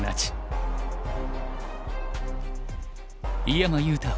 井山裕太